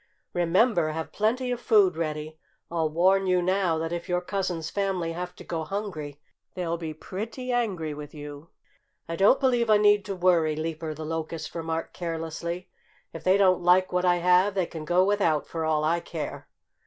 "Remember! Have plenty of food ready! I'll warn you now that if your cousin's family have to go hungry they'll be pretty angry with you." "I don't believe I need to worry," Leaper the Locust remarked carelessly. "If they don't like what I have they can go without, for all I care."